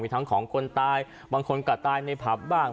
ทั้งของคนตายบางคนก็ตายในผับบ้าง